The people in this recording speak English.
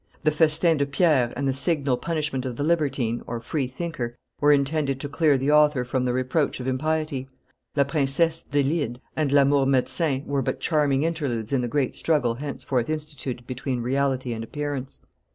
The Festin de Pierre and the signal punishment of the libertine (free thinker) were intended to clear the author from the reproach of impiety; la Princesse d'Elide and l'Amour medecin were but charming interludes in the great struggle henceforth instituted between reality and appearance.